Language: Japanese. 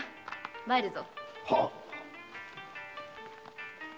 参るぞ。